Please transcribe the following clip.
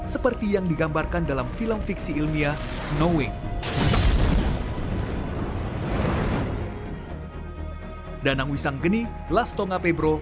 seperti yang digambarkan dalam film fiksi ilmiah knowing